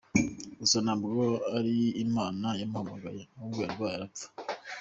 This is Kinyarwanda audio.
Gusa ntabwo ari imana yamuhamagaye, ahubwo yarwaye arapfa.